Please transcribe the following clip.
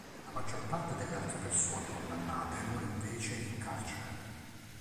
La maggior parte delle altre persone condannate morì invece in carcere.